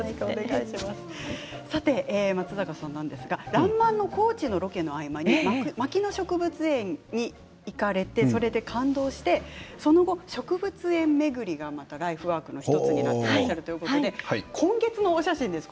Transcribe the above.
松坂さん、「らんまん」の高知のロケの合間に牧野植物園に行かれてそれで感動してその後、植物園巡りがまたライフワークの１つになっていらっしゃるということで今月のお写真です。